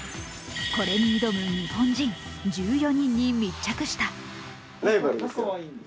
これに挑む日本人１４人に密着した。